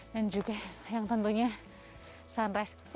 dan juga yang tentunya sunrise ya kan bang